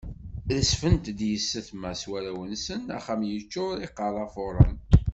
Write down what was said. Rezfent-d yessetma s warraw-nsent, axxam yeččur, iqerra fuṛen.